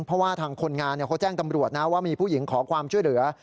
เพราะว่าทางคนงานเขาแจ้งตำรวจนะว่ามีผู้หญิงขอความช่วยเหลือ